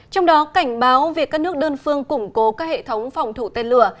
trong đó cảnh báo việc các nước đơn phương củng cố các hệ thống phòng thủ tên lửa